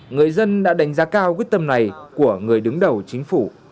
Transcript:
người dân đã đánh giá cao quyết tâm này của người đứng đầu chính phủ